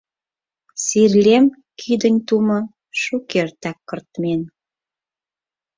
Сирлем кӱдынь тумо шукертак кыртмен